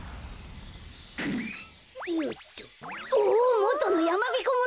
もとのやまびこ村だ。